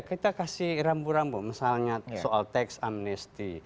kita kasih rambu rambu misalnya soal teks amnesti